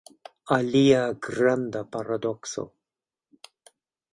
Alia granda paradokso.